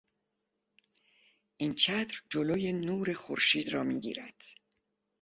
این چتر جلو نور خورشید را میگیرد.